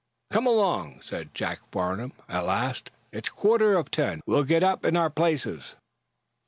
"Come along," said Jacob Farnum, at last. "It's a quarter of ten. We'll get up in our places."